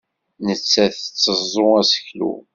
Nettat tetteẓẓu aseklu.